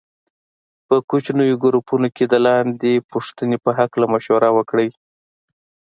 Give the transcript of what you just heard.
په کوچنیو ګروپونو کې د لاندې پوښتنې په هکله مشوره وکړئ.